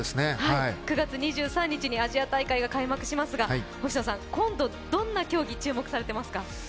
９月２３日にアジア大会が開幕しますが、今度、どんな競技に注目されていますか？